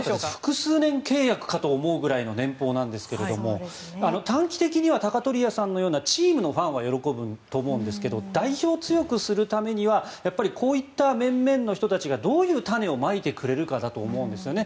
複数年契約かと思う年俸なんですが短期的には鷹鳥屋さんのようなチームのファンは喜ぶと思うんですが代表を強くするためにはこういった面々の人たちがどういう種をまいてくれるかだと思うんですよね。